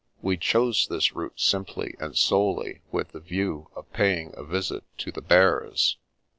We chose this route simply and solely with the view of paying a visit to the Bears.